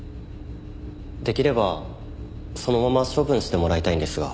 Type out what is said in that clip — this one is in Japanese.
できればそのまま処分してもらいたいんですが。